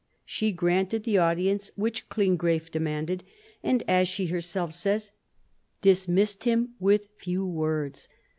She granted the audience which Klinggraf demanded, and, as she herself says, dismissed him with few words.